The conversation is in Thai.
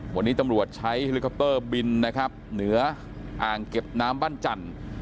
วันนี้ตำรวจใช้บินนะครับเหนืออ่างเก็บน้ำบ้านจันทร์